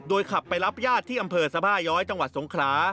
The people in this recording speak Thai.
ขับไปรับญาติที่อำเภอสบาย้อยจังหวัดสงขลา